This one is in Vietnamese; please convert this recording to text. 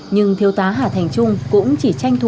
nhưng thiêu tá hà thành trung cũng chỉ tranh thức